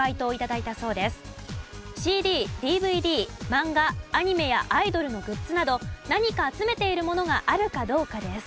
ＣＤＤＶＤマンガアニメやアイドルのグッズなど何か集めているものがあるかどうかです。